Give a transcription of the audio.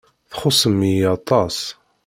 Txuṣṣem-iyi aṭas.